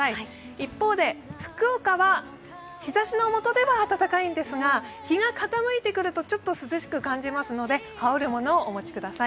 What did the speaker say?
一方で福岡は日ざしのもとでは暖かいんですが日が傾いてくると、ちょっと涼しく感じますので、羽織るものをお持ちください。